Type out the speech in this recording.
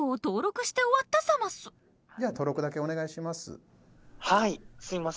では登録だけお願いします。